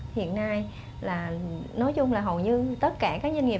hiện nay là nói chung là hầu như tất cả các doanh nghiệp